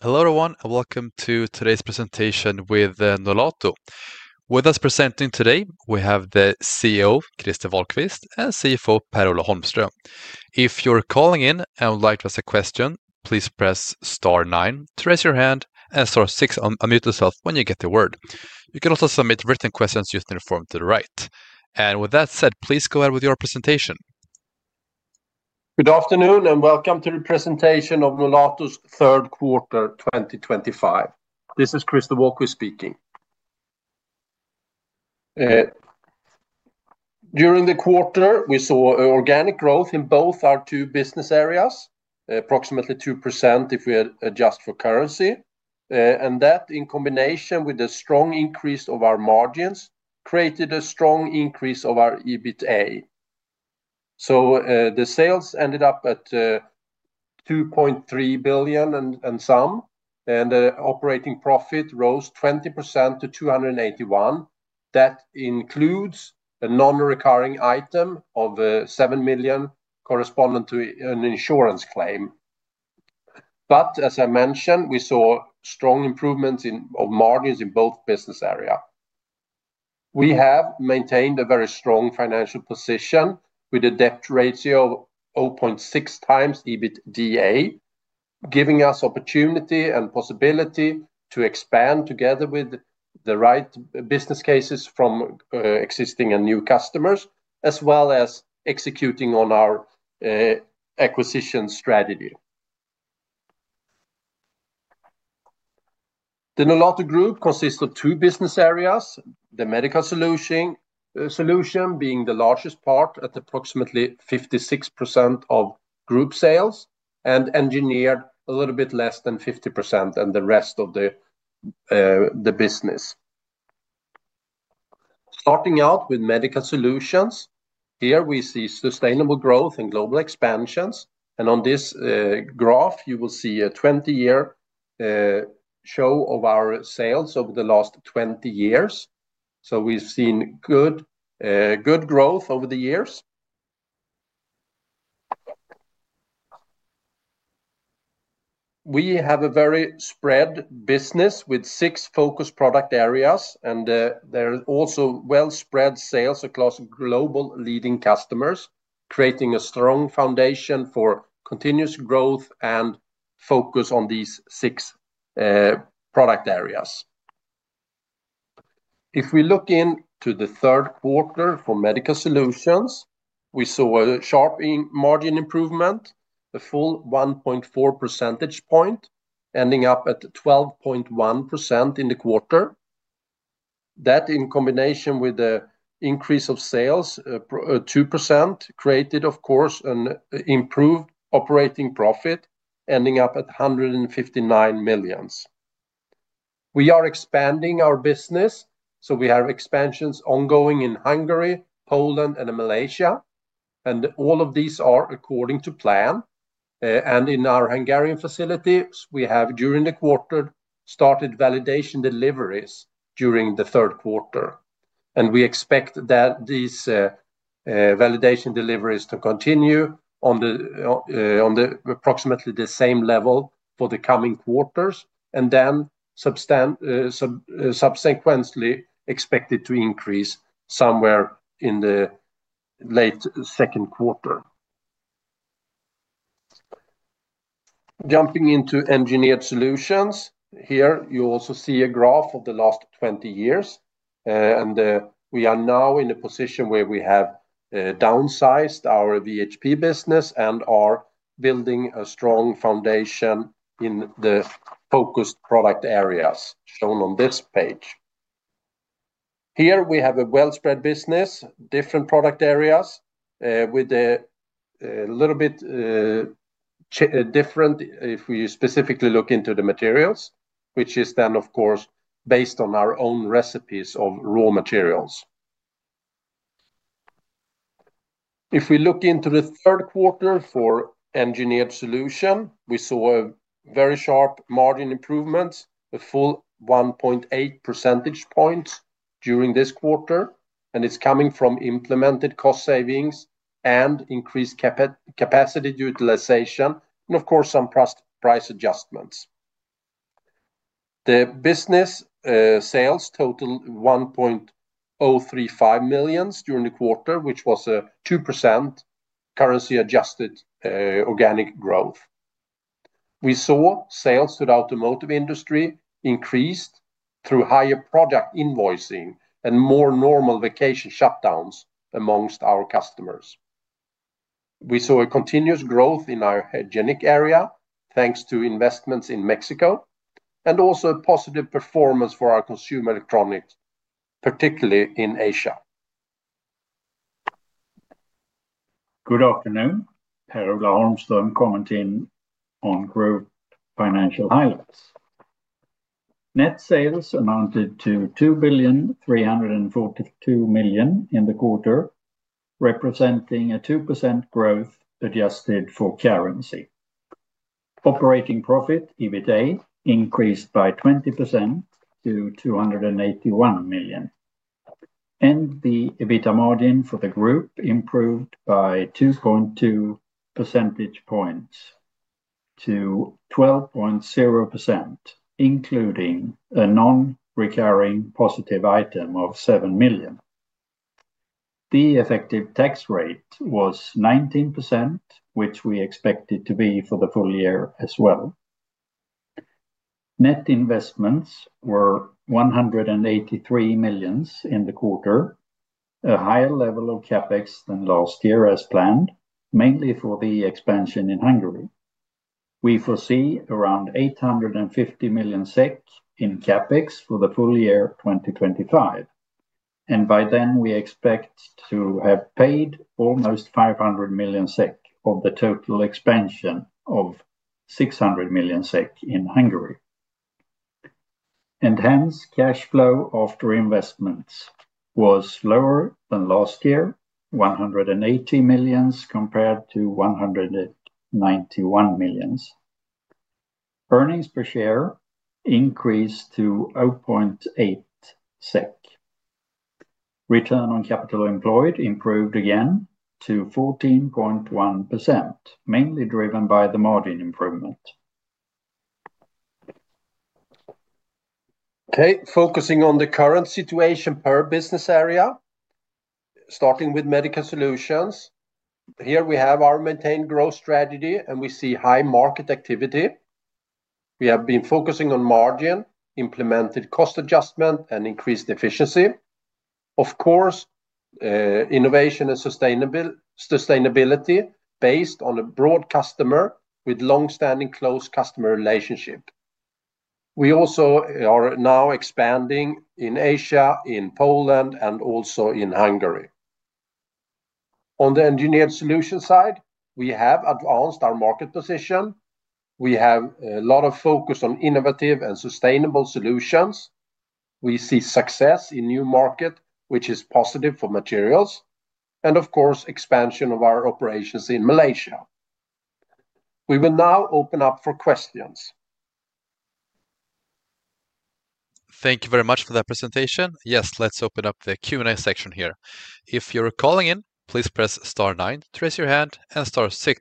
Hello everyone, and welcome to today's presentation with Nolato. With us presenting today, we have the CEO, Christer Wahlquist, and CFO, Per-Ola Holmström. If you're calling in and would like to ask a question, please press star nine to raise your hand, and star six to unmute yourself when you get the word. You can also submit written questions using the form to the right. With that said, please go ahead with your presentation. Good afternoon, and welcome to the presentation of Nolato's third quarter, 2025. This is Christer Wahlquist speaking. During the quarter, we saw organic growth in both our two business areas, approximately 2% if we adjust for currency. That, in combination with the strong increase of our margins, created a strong increase of our EBITDA. The sales ended up at 2.3 billion and some, and the operating profit rose 20% to 281 million. That includes a non-recurring item of 7 million corresponding to an insurance claim. As I mentioned, we saw strong improvements in margins in both business areas. We have maintained a very strong financial position with a debt ratio of 0.6x EBITDA, giving us opportunity and possibility to expand together with the right business cases from existing and new customers, as well as executing on our acquisition strategy. The Nolato Group consists of two business areas: the Medical Solutions being the largest part at approximately 56% of group sales and Engineered a little bit less than 50% in the rest of the business. Starting out with Medical Solutions, here we see sustainable growth and global expansions. On this graph, you will see a 20-year show of our sales over the last 20 years. We've seen good growth over the years. We have a very spread business with six focused product areas, and there are also well-spread sales across global leading customers, creating a strong foundation for continuous growth and focus on these six product areas. If we look into the third quarter for Medical Solutions, we saw a sharp margin improvement, a full 1.4 percentage point, ending up at 12.1% in the quarter. That, in combination with the increase of sales of 2%, created, of course, an improved operating profit, ending up at 159 million. We are expanding our business, so we have expansions ongoing in Hungary, Poland, and Malaysia, and all of these are according to plan. In our Hungarian facility, we have, during the quarter, started validation deliveries during the third quarter. We expect these validation deliveries to continue on approximately the same level for the coming quarters, and subsequently expected to increase somewhere in the late second quarter. Jumping into Engineered Solutions, here you also see a graph of the last 20 years, and we are now in a position where we have downsized our VHP business and are building a strong foundation in the focused product areas shown on this page. Here we have a well-spread business, different product areas, with a little bit different, if we specifically look into the materials, which is then, of course, based on our own recipes of raw materials. If we look into the third quarter for Engineered Solutions, we saw a very sharp margin improvement, a full 1.8 percentage point during this quarter, and it's coming from implemented cost savings and increased capacity utilization, and, of course, some price adjustments. The business sales totaled 1.035 million during the quarter, which was a 2% currency-adjusted organic growth. We saw sales to the automotive industry increase through higher product invoicing and more normal vacation shutdowns amongst our customers. We saw a continuous growth in our hygienic area, thanks to investments in Mexico, and also a positive performance for our consumer electronics, particularly in Asia. Good afternoon, Per-Ola Holmström commenting on group financial highlights. Net sales amounted to 2.342 billion in the quarter, representing a 2% growth adjusted for currency. Operating profit, EBITDA, increased by 20% to 281 million, and the EBITDA margin for the group improved by 2.2 percentage points to 12.0%, including a non-recurring positive item of 7 million. The effective tax rate was 19%, which we expected to be for the full year as well. Net investments were 183 million in the quarter, a higher level of CapEx than last year as planned, mainly for the expansion in Hungary. We foresee around 850 million SEK in CapEx for the full year 2025, and by then we expect to have paid almost 500 million SEK of the total expansion of 600 million SEK in Hungary. Hence, cash flow after investments was lower than last year, 180 million compared to 191 million. Earnings per share increased to 0.8 SEK. Return on capital employed improved again to 14.1%, mainly driven by the margin improvement. Okay, focusing on the current situation per business area, starting with Medical Solutions. Here we have our maintained growth strategy, and we see high market activity. We have been focusing on margin, implemented cost adjustment, and increased efficiency. Of course, innovation and sustainability based on a broad customer with long-standing close customer relationship. We also are now expanding in Asia, in Poland, and also in Hungary. On the Engineered Solutions side, we have advanced our market position. We have a lot of focus on innovative and sustainable solutions. We see success in new markets, which is positive for materials, and of course, expansion of our operations in Malaysia. We will now open up for questions. Thank you very much for that presentation. Yes, let's open up the Q&A section here. If you're calling in, please press star nine to raise your hand, and star six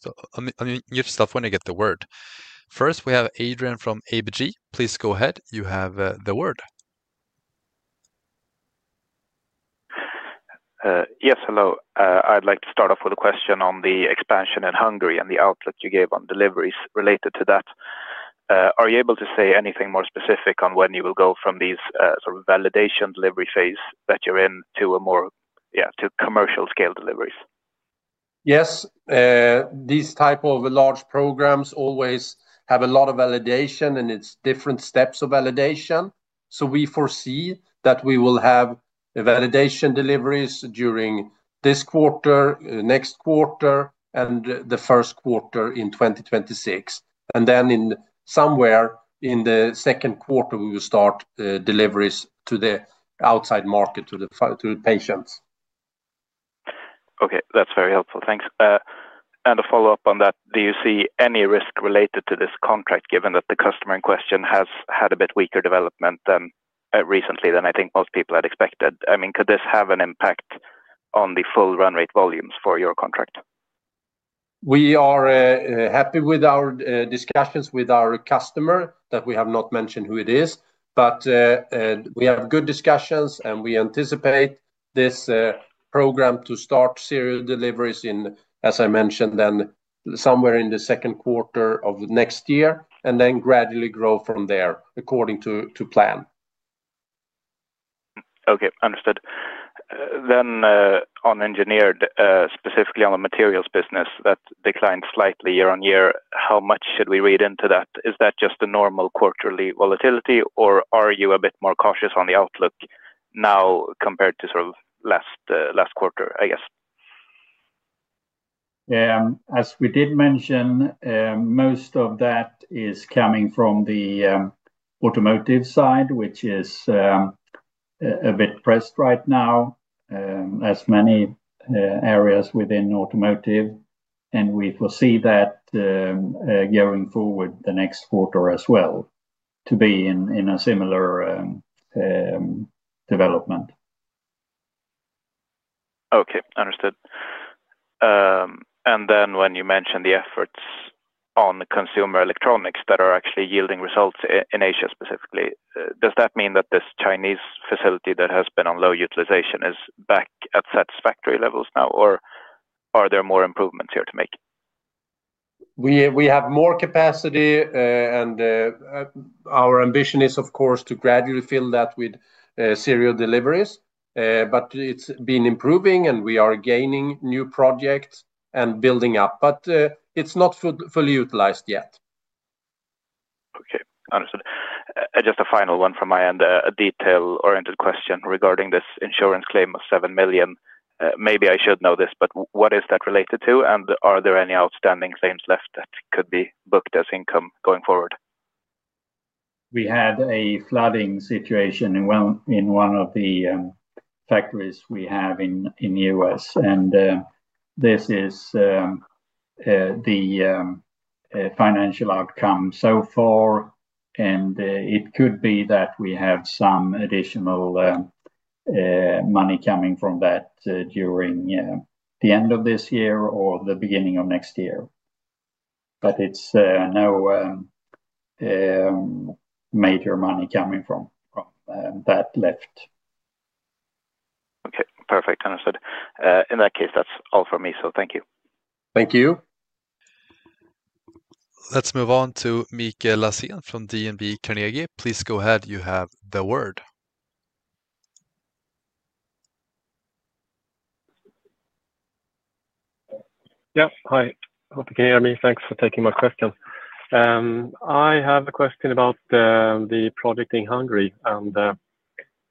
to unmute yourself when you get the word. First, we have Adrian from ABG. Please go ahead, you have the word. Yes, hello. I'd like to start off with a question on the expansion in Hungary and the outlook you gave on deliveries related to that. Are you able to say anything more specific on when you will go from these sort of validation deliveries phases that you're in to a more, yeah, to commercial scale deliveries? Yes, these types of large programs always have a lot of validation, and it's different steps of validation. We foresee that we will have validation deliveries during this quarter, next quarter, and the first quarter in 2026. Somewhere in the second quarter, we will start deliveries to the outside market, to the patients. Okay, that's very helpful, thanks. A follow-up on that, do you see any risk related to this contract, given that the customer in question has had a bit weaker development recently than I think most people had expected? I mean, could this have an impact on the full run rate volumes for your contract? We are happy with our discussions with our customer, that we have not mentioned who it is, but we have good discussions, and we anticipate this program to start serial deliveries in, as I mentioned, somewhere in the second quarter of next year, and then gradually grow from there according to plan. Okay, understood. On Engineered, specifically on the materials business that declined slightly year-on-year, how much should we read into that? Is that just a normal quarterly volatility, or are you a bit more cautious on the outlook now compared to last quarter, I guess? Yeah, as we did mention, most of that is coming from the automotive side, which is a bit pressed right now, as many areas within automotive. We foresee that going forward the next quarter as well to be in a similar development. Okay, understood. When you mentioned the efforts on consumer electronics that are actually yielding results in Asia specifically, does that mean that this Chinese facility that has been on low utilization is back at satisfactory levels now, or are there more improvements here to make? We have more capacity, and our ambition is, of course, to gradually fill that with serial deliveries. It’s been improving, and we are gaining new projects and building up, but it’s not fully utilized yet. Okay, understood. Just a final one from my end, a detail-oriented question regarding this insurance claim of 7 million. Maybe I should know this, but what is that related to, and are there any outstanding claims left that could be booked as income going forward? We had a flooding situation in one of the factories we have in the U.S., and this is the financial outcome so far. It could be that we have some additional money coming from that during the end of this year or the beginning of next year, but it's no major money coming from that left. Okay, perfect, understood. In that case, that's all from me, so thank you. Thank you. Let's move on to Mikael Lassén from DNB Carnegie. Please go ahead, you have the word. Yeah, hi. Hope you can hear me. Thanks for taking my question. I have a question about the project in Hungary and the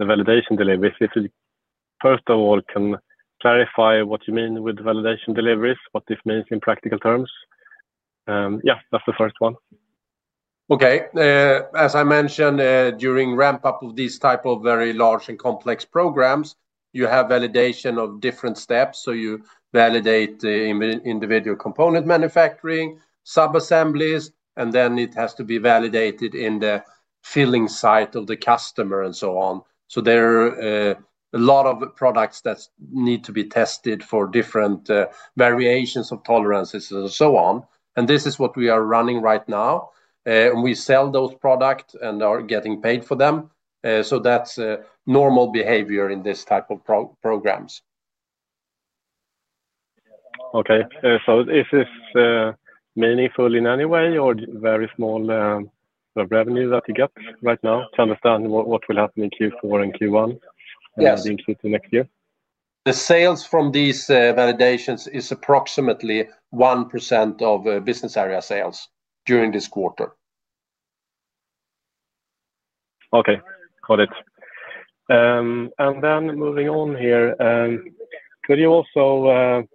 validation delivery. First of all, can you clarify what you mean with the validation deliveries, what this means in practical terms? Yeah, that's the first one. Okay. As I mentioned, during ramp-up of these types of very large and complex programs, you have validation of different steps. You validate the individual component manufacturing, sub-assemblies, and then it has to be validated in the filling site of the customer and so on. There are a lot of products that need to be tested for different variations of tolerances and so on. This is what we are running right now. We sell those products and are getting paid for them. That's normal behavior in this type of programs. Okay, is this meaningful in any way, or very small revenue that you get right now to understand what will happen in Q4 and Q1 and in Q2 next year? The sales from these validations is approximately 1% of business area sales during this quarter. Okay, got it. Moving on here, could you also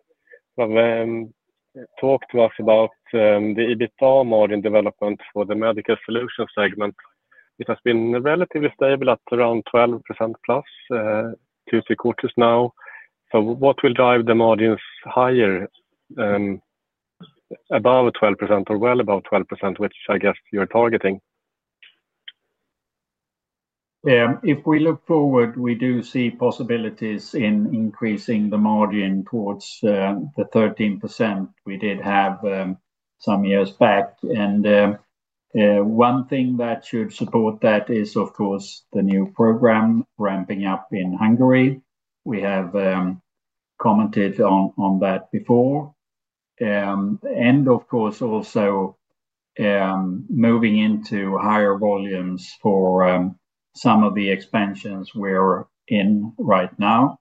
talk to us about the EBITDA margin development for the Medical Solutions segment? It has been relatively stable at around 12%+ for two to three quarters now. What will drive the margins higher, above 12% or well above 12%, which I guess you're targeting? If we look forward, we do see possibilities in increasing the margin towards the 13% we did have some years back. One thing that should support that is, of course, the new program ramping up in Hungary. We have commented on that before. Of course, also moving into higher volumes for some of the expansions we're in right now,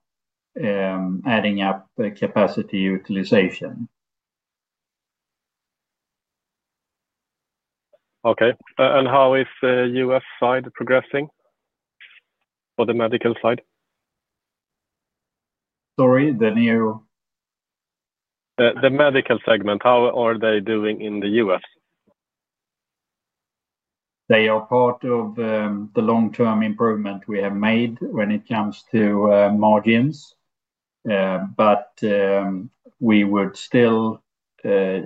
adding up the capacity utilization. Okay. How is the U.S. side progressing for the medical side? Sorry, the new? The Medical segment, how are they doing in the U.S.? They are part of the long-term improvement we have made when it comes to margins. We would still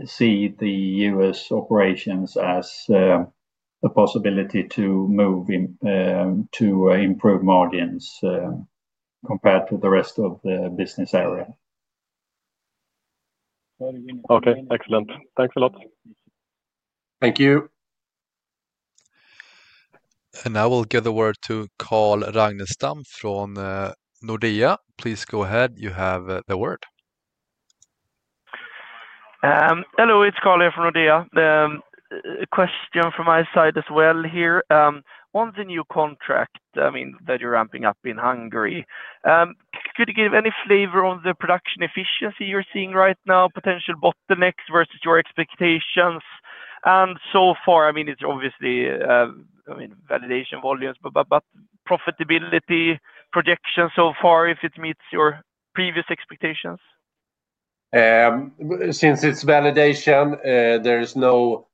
see the U.S. operations as a possibility to improve margins compared to the rest of the business area. Okay, excellent. Thanks a lot. Thank you. We will give the word to Carl Ragnerstam from Nordea. Please go ahead, you have the word. Hello, it's Carl here from Nordea. A question from my side as well here. Once a new contract, I mean, that you're ramping up in Hungary, could you give any flavor on the production efficiency you're seeing right now, potential bottlenecks versus your expectations? It's obviously, I mean, validation volumes, but profitability projections so far, if it meets your previous expectations? Since it's validation, there is no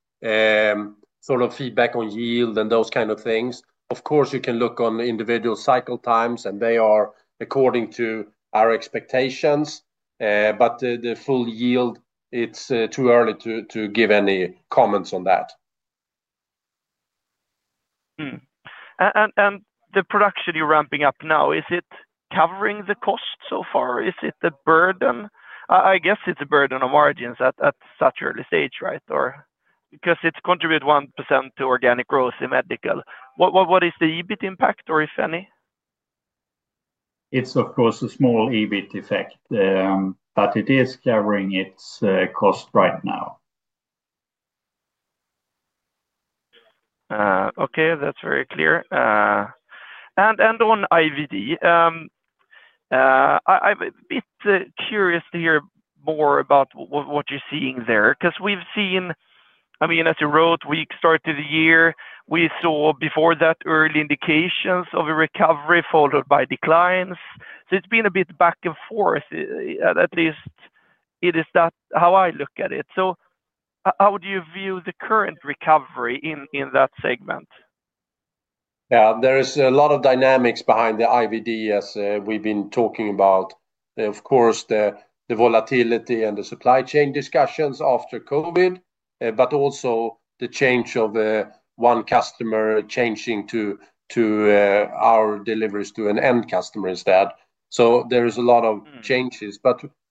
sort of feedback on yield and those kinds of things. Of course, you can look on individual cycle times, and they are according to our expectations. The full yield, it's too early to give any comments on that. The production you're ramping up now, is it covering the cost so far? Is it the burden? I guess it's a burden on margins at such an early stage, right? Because it's contributed 1% to organic growth in Medical. What is the EBIT impact, or if any? It's, of course, a small EBIT effect, but it is covering its cost right now. Okay, that's very clear. On IVD, I'm a bit curious to hear more about what you're seeing there. Because we've seen, I mean, as you wrote, we started the year, we saw before that early indications of a recovery followed by declines. It's been a bit back and forth. At least, that is how I look at it. How do you view the current recovery in that segment? Yeah. There is a lot of dynamics behind the IVD, as we've been talking about. Of course, the volatility and the supply chain discussions after COVID, but also the change of one customer changing to our deliveries to an end customer instead. There is a lot of changes.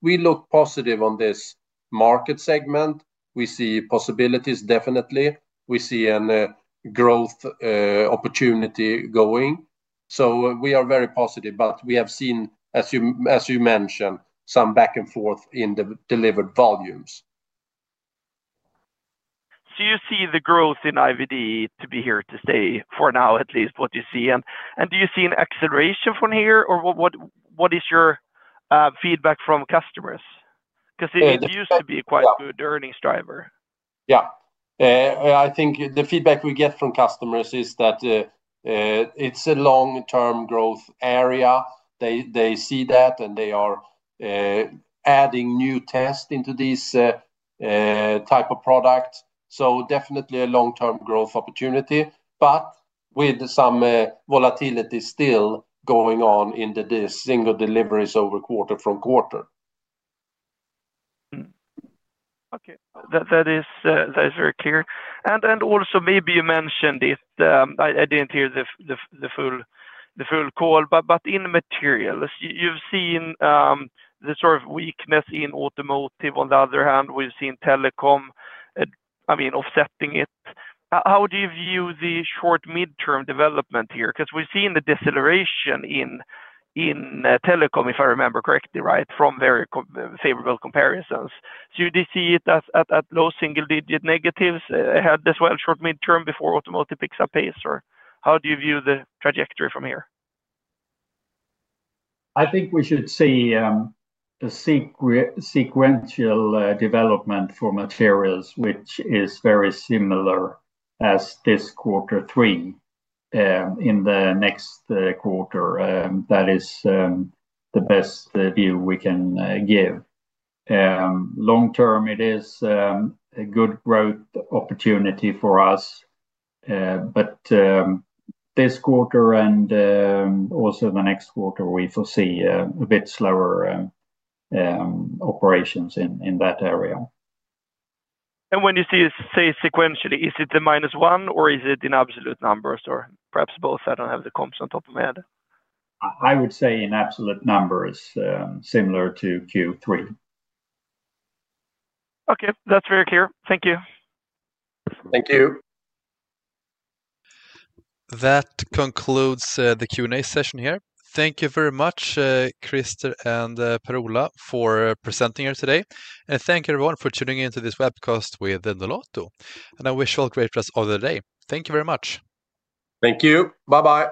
We look positive on this market segment. We see possibilities, definitely. We see a growth opportunity going. We are very positive, but we have seen, as you mentioned, some back and forth in the delivered volumes. You see the growth in IVD to be here to stay for now, at least what you see. Do you see an acceleration from here, or what is your feedback from customers? It used to be quite a good earnings driver. I think the feedback we get from customers is that it's a long-term growth area. They see that, and they are adding new tests into this type of product. Definitely a long-term growth opportunity, but with some volatility still going on in the single deliveries over quarter from quarter. Okay. That is very clear. Maybe you mentioned it, I didn't hear the full call, but in materials, you've seen the sort of weakness in automotive. On the other hand, we've seen telecom offsetting it. How do you view the short midterm development here? We've seen the deceleration in telecom, if I remember correctly, right, from very favorable comparisons. Do you see it at low single-digit negatives ahead as well, short midterm, before automotive picks up pace, or how do you view the trajectory from here? I think we should see a sequential development for materials, which is very similar as this quarter three in the next quarter. That is the best view we can give. Long term, it is a good growth opportunity for us. This quarter and also the next quarter, we foresee a bit slower operations in that area. When you say sequentially, is it a -1, or is it in absolute numbers, or perhaps both? I don't have the comps on top of my head. I would say in absolute numbers, similar to Q3. Okay, that's very clear. Thank you. Thank you. That concludes the Q&A session here. Thank you very much, Christer and Per-Ola, for presenting here today. Thank you everyone for tuning in to this webcast with Nolato. I wish you all a great rest of the day. Thank you very much. Thank you. Bye-bye.